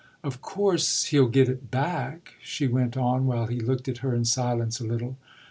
"Of course he'll get it back," she went on while he looked at her in silence a little.